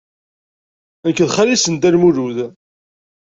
Nekk d xali-s n Dda Lmulud.